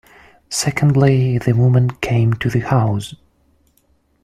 Secondly the woman came to the house.